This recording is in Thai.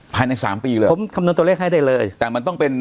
ภายในสามปีเลยผมคำนวณตัวเลขให้ได้เลยแต่มันต้องเป็น